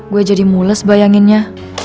gue jadi mules bayanginnya